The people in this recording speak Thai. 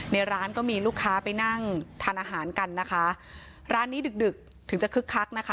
ในร้านก็มีลูกค้าไปนั่งทานอาหารกันนะคะร้านนี้ดึกดึกถึงจะคึกคักนะคะ